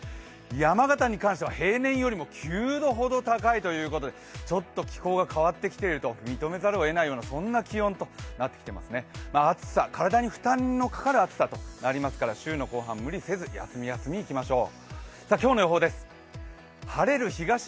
山形に関しては平年よりも９度ほど高いということでちょっと気候が変わってきていると認めざるをえないような気温になっていますね暑さ、体に負担のかかる暑さとなりますから週の後半、無理せず休み休みいきましょう。